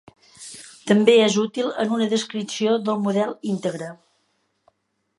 També és útil en una descripció del model íntegre.